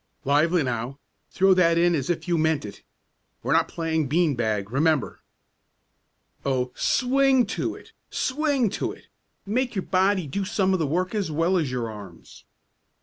"Lively now! Throw that in as if you meant it! We're not playing bean bag, remember!" "Oh, swing to it! Swing to it! Make your body do some of the work as well as your arms!"